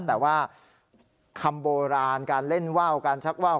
แต่ว่าคำโบราณการเล่นว่าวการชักว่าว